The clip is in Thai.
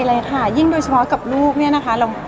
อันนี้มั่นใจเลยค่ะยิ่งโดยเฉพาะกับลูกเนี่ยนะคะ